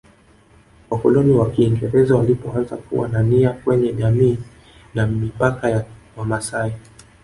Wakoloni wa Wakiingereza walipoanza kuwa na nia kwenye jamii na mipaka ya wamasai